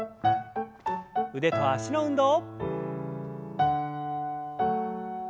腕と脚の運動。